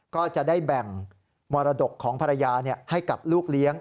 ก็จะได้แบ่งมรดกของภรรยาให้กับลูกเลี้ยง